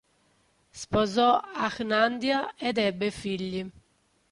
Sposò Ahnandia ed ebbe figli.